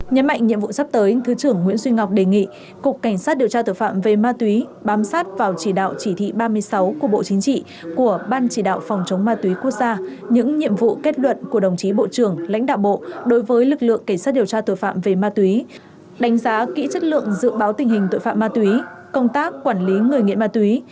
nhấn mạnh nhiệm vụ sắp tới thứ trưởng nguyễn duy ngọc đề nghị cục cảnh sát điều tra tội phạm về ma túy bám sát vào chỉ đạo chỉ thị ba mươi sáu của bộ chính trị của ban chỉ đạo phòng chống ma túy quốc gia những nhiệm vụ kết luận của đồng chí bộ trưởng lãnh đạo bộ đối với lực lượng cảnh sát điều tra tội phạm về ma túy đánh giá kỹ chất lượng dự báo tình hình tội phạm ma túy công tác quản lý người nghiện ma túy